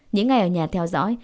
những ngày ở nhà theo dõi